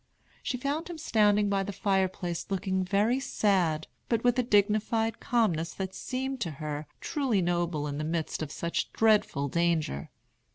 She found him standing by the fireplace looking very sad, but with a dignified calmness that seemed to her truly noble in the midst of such dreadful danger.